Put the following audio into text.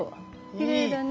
きれいだね。